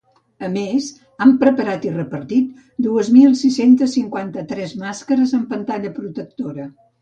A més, han preparat i repartit dos mil sis-cents cinquanta-tres màscares amb pantalla protectora.